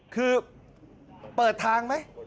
คือเปิดทางไหม